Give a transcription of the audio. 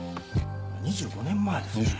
２５年前ですね。